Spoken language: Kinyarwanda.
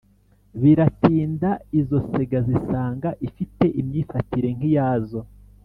biratinda, izo sega zisanga ifite imyifatire nk'iyazo.